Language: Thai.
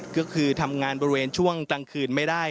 ก็คือทำงานบริเวณช่วงกลางคืนไม่ได้